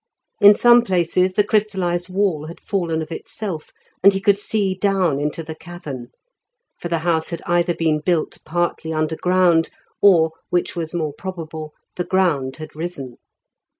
In some places the crystallized wall had fallen of itself, and he could see down into the cavern; for the house had either been built partly underground, or, which was more probable, the ground had risen.